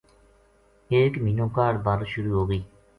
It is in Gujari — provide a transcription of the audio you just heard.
ایک مہینو کاہڈ بارش شروع ہوگئی